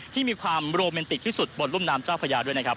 ที่มีความโรแมนติกที่สุดบนรุ่มน้ำเจ้าพญาด้วยนะครับ